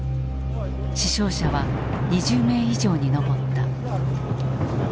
死傷者は２０名以上に上った。